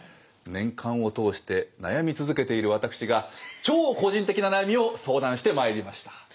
年間を通して悩み続けている私が超個人的な悩みを相談してまいりました。